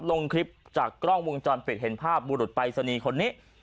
ลงคลิปจากกล้องวงจรปิดเห็นภาพบุรุษปรายศนีย์คนนี้